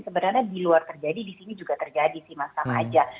sebenarnya di luar terjadi di sini juga terjadi sih mas sama aja